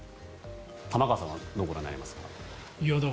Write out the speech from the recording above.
玉川さんはどうご覧になりますか？